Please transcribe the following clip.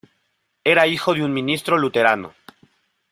Era hijo de un ministro luterano.